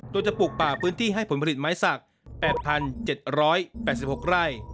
โดยจะปลูกป่าพื้นที่ให้ผลผลิตไม้สัก๘๗๘๖ไร่